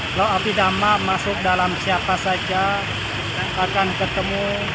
kalau api dhamma masuk dalam siapa saja akan ketemu keterangan batin